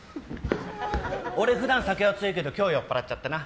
俺、普段酒は強いけど今日は酔っ払っちゃったな。